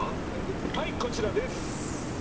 はいこちらです。